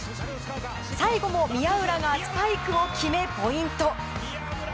最後も宮浦がスパイクを決めポイント。